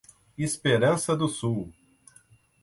Esperança do Sul